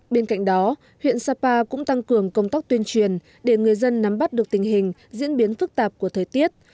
bên cạnh đó huyện sapa cũng tăng cường công tác tuyên truyền để người dân nắm bắt được tình hình diễn biến phức tạp của thời tiết